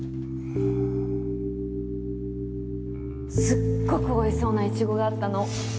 すっごくおいしそうなイチゴがあったの。